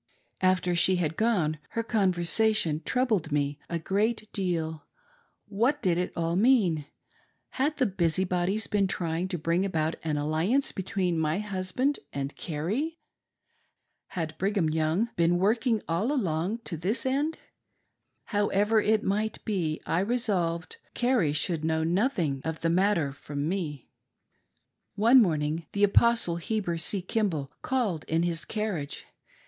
After she had gone, her conversation troubled me a great deal What did it all mean ? Had the busybodies been try ing to bring about an alliance between my husband and Carrie ? Had Brigham Young been working all along to this end? However it might be, I resolved that, at least, Carrie should know nothing of the matter from me. One morning, the Apostle Heber C Kimball called in bis carriage.